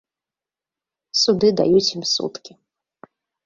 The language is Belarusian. Суды даюць ім суткі.